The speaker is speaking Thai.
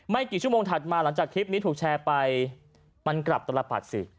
กี่ชั่วโมงถัดมาหลังจากคลิปนี้ถูกแชร์ไปมันกลับตลปัดสิ